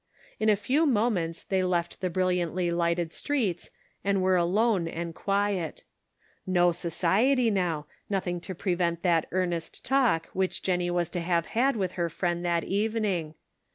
In a few moments they left the brilliantly lighted streets, and were alone and quiet. No society now, nothing to prevent that earnest talk which Jennie was to have had with her friend that evening.